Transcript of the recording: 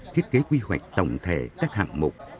thiết kế quy hoạch tổng thể các hạng mục